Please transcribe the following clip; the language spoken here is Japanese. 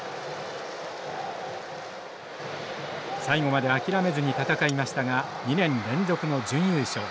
最後まで諦めずに戦いましたが２年連続の準優勝。